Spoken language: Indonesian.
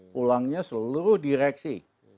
pulangnya seluruh direksi